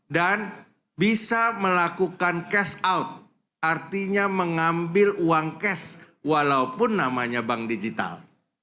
dan bisa melakukan cash out artinya mengambil uang cash walaupun namanya bank digital